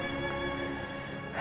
untuk nebus waktu kita yang sempat hilang